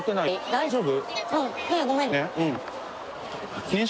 大丈夫？